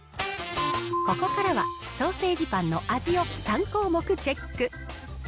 ここからは、ソーセージパンの味を３項目チェック。